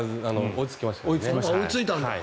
追いつきましたね。